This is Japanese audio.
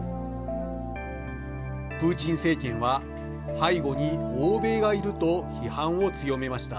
プーチン政権は背後に欧米がいると批判を強めました。